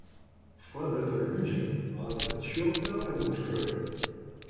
Foar de ferhuzing waard in tsjok draaiboek skreaun.